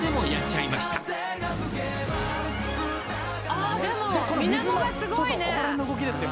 あでも水面がすごいね！